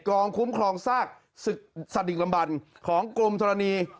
กองคุ้มครองซากสถิกลำบันของกรมธรณี